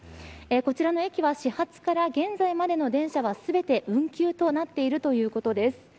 こちらの駅は始発から現在までの電車は全て運休となっているということです。